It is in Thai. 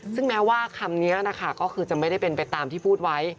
ซึ่งแม้ว่าคำนี้นะคะก็คือจะไม่ได้เป็นไปตามที่พูดไว้